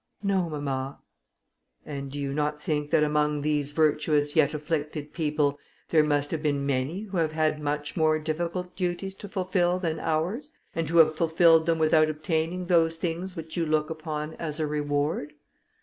"No, mamma." "And do you not think that among these virtuous yet afflicted people, there must have been many who have had much more difficult duties to fulfil than ours, and who have fulfilled them without obtaining those things which you look upon as a reward?"